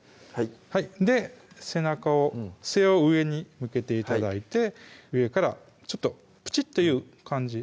はい背中を背を上に向けて頂いて上からちょっとプチッという感じ